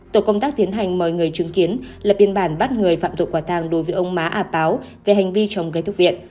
tổ công tác tiến hành mời người chứng kiến là biên bản bắt người phạm tụ quả thang đối với ông má a páo về hành vi trồng cây thuốc viện